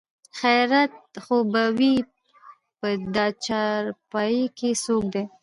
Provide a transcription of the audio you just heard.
خېرت خو به وي په دا چارپايي کې څوک دي?